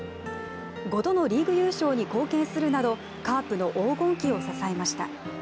５度のリーグ優勝に貢献するなどカープの黄金期を支えました。